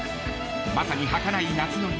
［まさにはかない夏の夢］